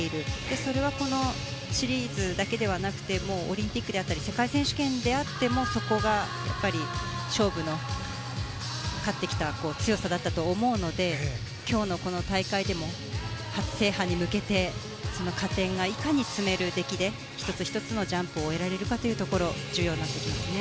それはこのシリーズだけではなくてオリンピックであったり世界選手権であってもそこがやっぱり勝負の勝ってきた強さだと思うので今日のこの大会でも初制覇に向けてその加点が、いかに積める出来で１つ１つのジャンプを終えられるかというところ重要になってきますね。